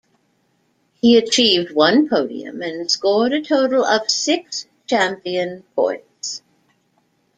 He achieved one podium, and scored a total of six championship points.